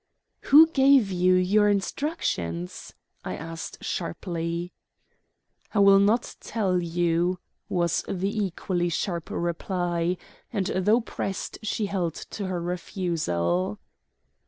"Who gave you your instructions?" I asked sharply. "I will not tell you," was the equally sharp reply, and though pressed she held to her refusal.